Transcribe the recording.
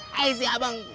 hai si abang